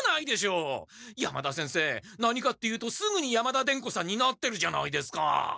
山田先生何かっていうとすぐに山田伝子さんになってるじゃないですか。